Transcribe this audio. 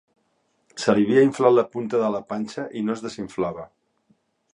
Se li havia inflat la punta de la panxa i no es desinflava.